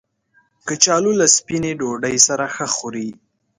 کچالو له سپینې ډوډۍ سره ښه خوري